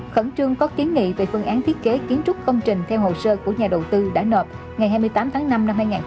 khẩn trương có kiến nghị về phương án thiết kế kiến trúc công trình theo hồ sơ của nhà đầu tư đã nộp ngày hai mươi tám tháng năm năm hai nghìn hai mươi